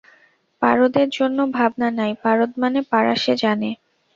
পারদের জন্য ভাবনা নাই-পারদ মানে পারা সে জানে।